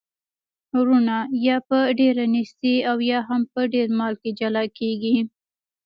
وروڼه یا په ډیره نیستۍ او یا هم په ډیر مال کي جلا کیږي.